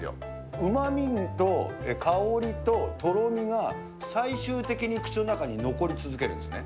うまみと香りととろみが、最終的に口の中に残り続けるんですね。